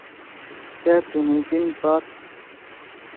تأ تُنُو پِن پاد؟